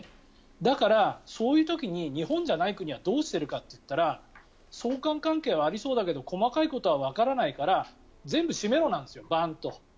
だから、そういう時に日本じゃない国はどうしているかっていったら相関関係はありそうだけど細かいことはわからないから全部閉めろなんですよバーンと。